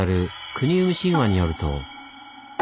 「国生み神話」によると。